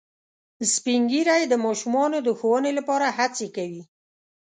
سپین ږیری د ماشومانو د ښوونې لپاره هڅې کوي